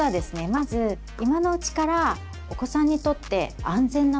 まず今のうちからお子さんにとって安全な場所